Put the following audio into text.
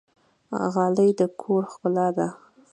غالۍ د کور ښکلا ده